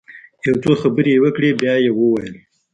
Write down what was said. يو څو خبرې يې وکړې بيا يې وويل.